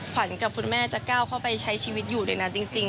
กับคุณแม่จะก้าวเข้าไปใช้ชีวิตอยู่ในนั้นจริง